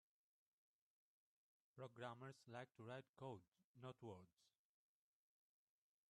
Programmers like to write code; not words.